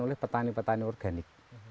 oleh petani petani organik